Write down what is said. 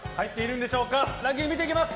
ランキング見ていきます。